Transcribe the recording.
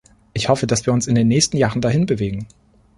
Ich hoffe, dass wir uns in den nächsten Jahren dahin bewegen.